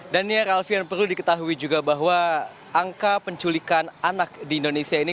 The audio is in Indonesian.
dan ya ralfian perlu diketahui juga bahwa angka penculikan anak di indonesia ini